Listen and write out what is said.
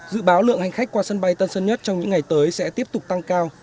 dự báo lượng hành khách qua sân bay tân sơn nhất trong những ngày tới sẽ tiếp tục tăng cao